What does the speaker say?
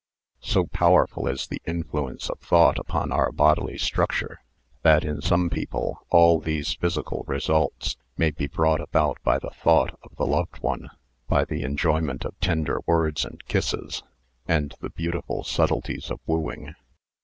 (So powerful is the influence of thought upon our bodily structure, that in some people all these physical results may be brought about by the thought of the loved one, by the enjoyment of tender words and kisses, and the * beautiful subtleties of wooing.)